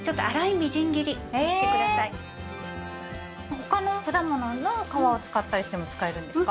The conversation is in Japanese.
他の果物の皮を使ったりしても使えるんですか？